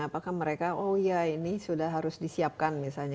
apakah mereka oh iya ini sudah harus disiapkan misalnya